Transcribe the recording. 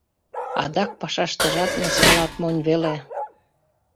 Адак пашаштыжат мыскылат монь веле.